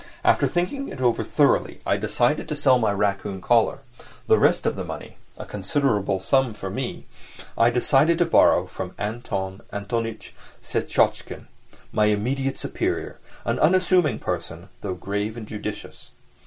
After thinking it over thoroughly I decided to sell my raccoon collar. The rest of the money—a considerable sum for me, I decided to borrow from Anton Antonitch Syetotchkin, my immediate superior, an unassuming person, though grave and judicious.